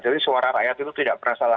jadi suara rakyat itu tidak perasaan